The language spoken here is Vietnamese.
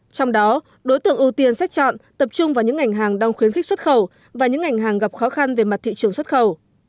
trong đó đối tượng ưu tiên xét chọn tập trung vào những ngành hàng đang khuyến khích xuất khẩu và những ngành hàng gặp khó khăn về mặt thị trường xuất khẩu